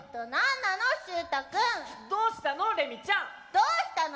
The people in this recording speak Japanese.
どうしたの？